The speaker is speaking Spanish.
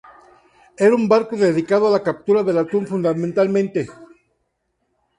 Era un barco dedicado a la captura del atún fundamentalmente.